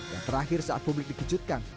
yang terakhir saat publik dikejutkan